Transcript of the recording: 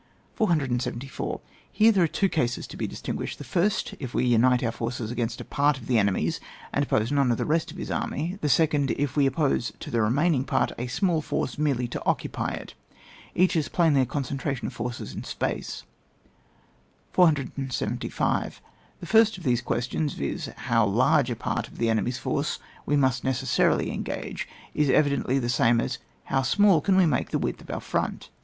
474. Here there are two cases to be distinguished ; the first, if we unite our forces against a part of the enemy's and oppose none to the rest of his army* the second, if we oppose to the remaining part a small forc^ merely to occupy it. Each is plainly a concentration of forces in space. 475. The first of these questions, viz. how large a part of the enemy's force must we necessarily engage, is evidently the same as to how small can we make the width of our front?